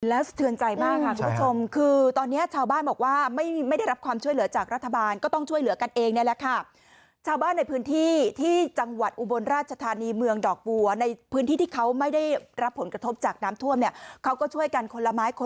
อยู่แล้วเฉินใจมากทุกผู้ชมคือตอนนี้ชาวบ้านบอกว่าไม่